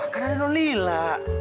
kan ada non lila